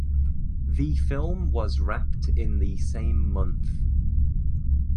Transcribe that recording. The film was wrapped in the same month.